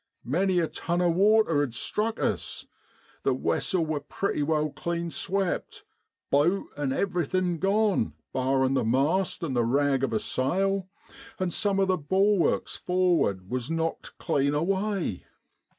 Many a ton o' water had struck us. The wessel wor pretty well clean swept, boat an' everything gone barrin' the mast an' the rag of a sail ; and some o' the bulwarks for'ard was knocked clean away.